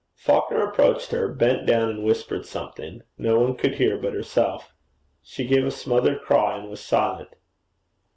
Falconer approached her, bent down and whispered something no one could hear but herself. She gave a smothered cry, and was silent.